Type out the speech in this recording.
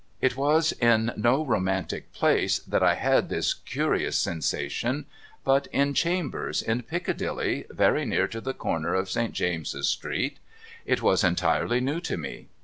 It was in no romantic place that I had this curious sensation, but 400 DOCTOR MARIGOLD in chambers in Piccadilly, very near to the corner of St. James' s street. It was entirely new to me.